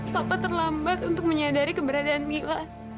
papa terlambat untuk menyadari keberadaan mikla